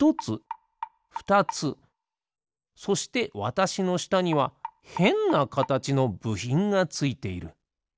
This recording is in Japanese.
そしてわたしのしたにはへんなかたちのぶひんがついている。